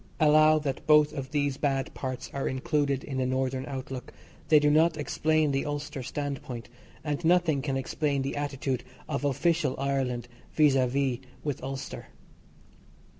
Allow that both of these bad parts are included in the Northern outlook, they do not explain the Ulster standpoint; and nothing can explain the attitude of official Ireland vis a vis with Ulster.